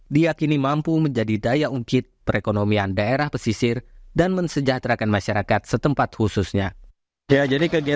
diakini mampu menghasilkan kawasan tambak udang paname